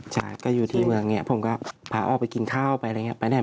ใช่ก็อยู่ที่เมืองเนี่ยผมก็พาออกไปกินข้าวไปอะไรอย่างนี้